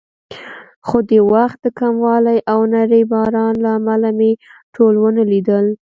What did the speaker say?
خو د وخت د کموالي او نري باران له امله مې ټول ونه لیدل.